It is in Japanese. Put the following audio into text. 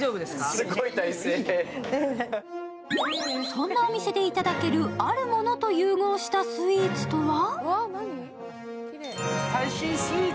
そんなお店で頂けるあるものと融合したスイーツとは？